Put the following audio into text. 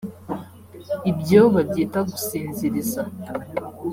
Ibyo babyita gusinziriza